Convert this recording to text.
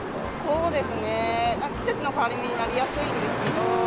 そうですね、季節の変わり目になりやすいんですけど。